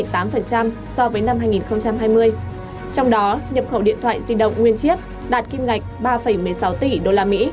trong đó nhập khẩu điện thoại di động nguyên chiếc đạt kim ngạch ba một mươi sáu tỷ usd